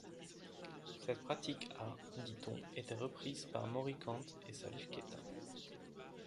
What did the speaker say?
Cette pratique a, dit-on, été reprise par Mory Kante et Salif Keita.